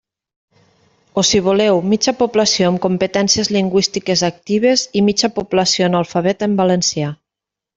O si voleu: mitja població amb competències lingüístiques actives i mitja població analfabeta en valencià.